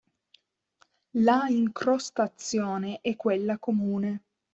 La incrostazione è quella comune.